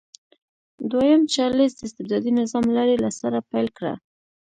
دویم چارلېز د استبدادي نظام لړۍ له سره پیل کړه.